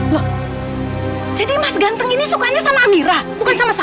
wah jadi mas ganteng ini sukanya sama amira bukan sama saya